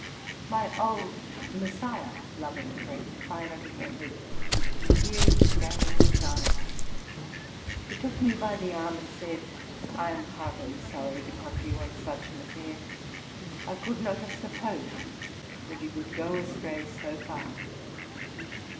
My old Messiah *' loving friend finally entered, with the tears standing in his eyes: he took me by the arm, and said, '+ I am heartily sorry to come to you on such an affair. I could not have supposed that you could go astray so far.